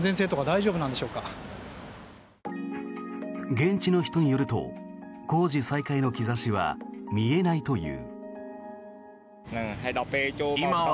現地の人によると工事再開の兆しは見えないという。